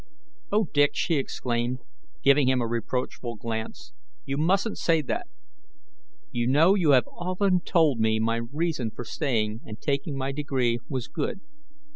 "O Dick!" she exclaimed, giving him a reproachful glance, "you mustn't say that. You know you have often told me my reason for staying and taking my degree was good.